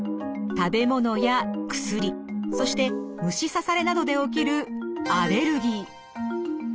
食べ物や薬そして虫刺されなどで起きるアレルギー。